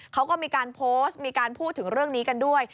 เขาก็มีการโพสต์มีการพูดถึงเรื่องนี้กันด้วย